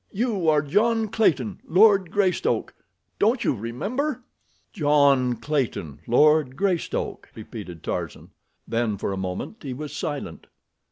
You are John Clayton, Lord Greystoke—don't you remember?" "John Clayton, Lord Greystoke!" repeated Tarzan. Then for a moment he was silent.